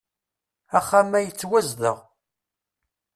Axxam-a yettwazdeɣ.